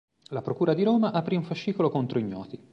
La Procura di Roma aprì un fascicolo contro ignoti.